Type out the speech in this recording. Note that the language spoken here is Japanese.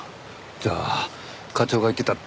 じゃあ課長が言ってたでかい音って。